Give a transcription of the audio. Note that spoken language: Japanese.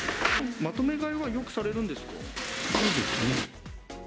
まとめ買いはよくされるんでそうですね。